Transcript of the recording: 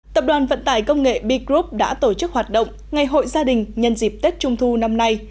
tập đoàn vận tải công nghệ b group đã tổ chức hoạt động ngày hội gia đình nhân dịp tết trung thu năm nay